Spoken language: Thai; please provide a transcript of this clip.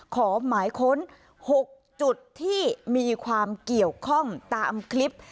ขอหมายค้น๖จุดที่มีความเกี่ยวข้องตามคลิป